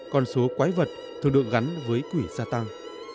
con số quái vật thường được gắn với quỷ gia tăng